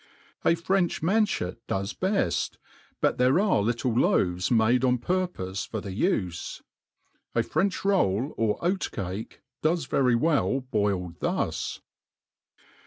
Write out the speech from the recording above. A French man* chet does beft ; but ihiere ag^ little loav^ made on purpofe for the ufe* A French roll or oat cake does very well boiled ihMS.